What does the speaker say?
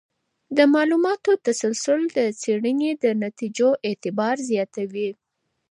د معلوماتو تسلسل د څېړنې د نتیجو اعتبار زیاتوي.